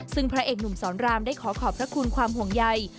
ซึ่งพระเอกหนุ่มสอนรามได้ขอขอบพระคุณความห่วงใย